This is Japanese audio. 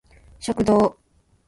食堂